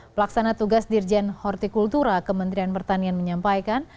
pelaksana tugas dirjen hortikultura kementerian pertanian menyampaikan